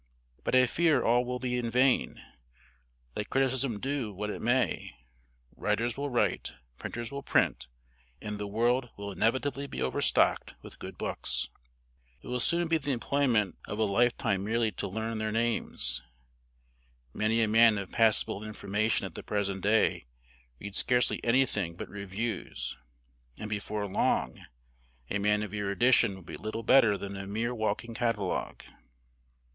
But I fear all will be in vain; let criticism do what it may, writers will write, printers will print, and the world will inevitably be overstocked with good books. It will soon be the employment of a lifetime merely to learn their names. Many a man of passable information at the present day reads scarcely anything but reviews, and before long a man of erudition will be little better than a mere walking catalogue."